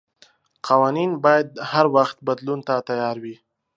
قوانين بايد هر وخت بدلون ته تيار وي.